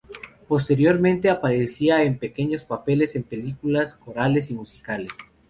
Posteriormente aparecería en pequeños papeles en películas corales y musicales.